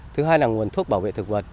thứ hai là nguồn thuốc bảo vệ thực vật